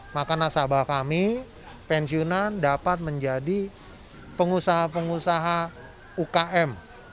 maka nasabah kami pensiunan dapat menjadi pengusaha pengusaha ukm